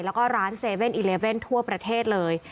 แล้วก็ร้าน๗๑๑ทั่วประเทศเลย